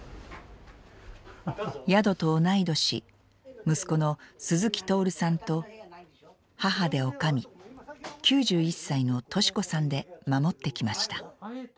宿と同い年息子の鈴木徹さんと母で女将９１歳の敏子さんで守ってきました。